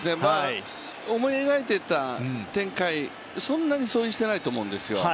思い描いていた展開、そんなに相違してないと思うんですよ。